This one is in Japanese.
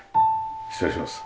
失礼します。